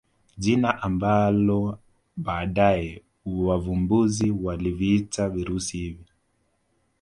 Jina ambalo baadaye wavumbuzi waliviita virusi hivi